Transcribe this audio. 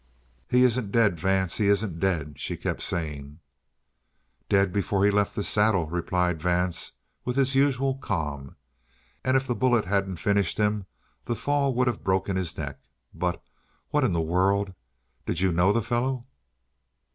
"He isn't dead, Vance. He isn't dead!" she kept saying. "Dead before he left the saddle," replied Vance, with his usual calm. "And if the bullet hadn't finished him, the fall would have broken his neck. But what in the world! Did you know the fellow?"